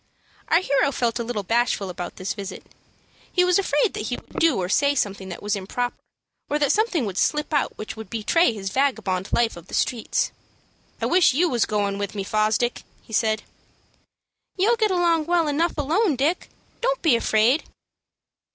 Our hero felt a little bashful about this visit. He was afraid that he would do or say something that was improper, or that something would slip out which would betray his vagabond life of the streets. "I wish you was going with me, Fosdick," he said. "You'll get along well enough alone, Dick. Don't be afraid."